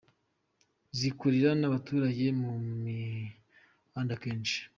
Zikurira n’ abaturage mu mihanda kenshi.